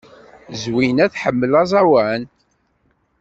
Zwina tḥemmel aẓawan.